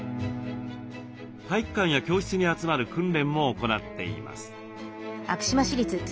体育館や教室に集まる訓練も行っています。